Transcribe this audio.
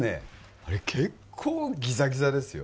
あれ結構ギザギザですよ